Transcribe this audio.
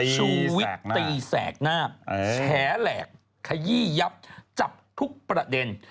ชูวิตตีแสกหน้าแฉแหลกขยี้ยับจับทุกประเด็น